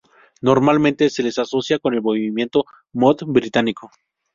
Normalmente se les asocia con el movimiento Mod británico.